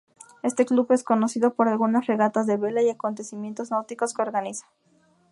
Este club es conocido por algunas regatas de vela y acontecimientos náuticos que organiza.